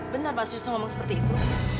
benar mas wisnu ngomong seperti itu